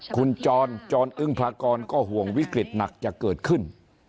คุณจรจรอึ้งพากรก็ห่วงวิกฤตหนักจะเกิดขึ้น